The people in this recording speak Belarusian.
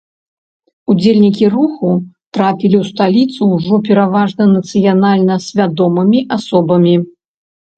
Удзельнікі руху трапілі ў сталіцу ўжо пераважна нацыянальна свядомымі асобамі.